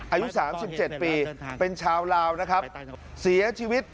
อายุสามสิบเจ็ดปีเป็นชาวลาวนะครับเสียชีวิต